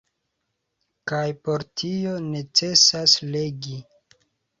Kaj por tio necesas legi.